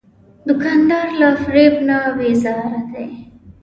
دوکاندار له فریب نه بیزاره دی.